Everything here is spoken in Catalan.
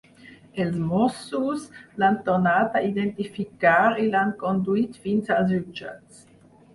Els mossos l’han tornat a identificar i l’han conduït fins als jutjats.